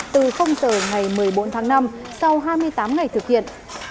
từ giờ ngày một mươi bốn tháng năm sau hai mươi tám ngày thực hiện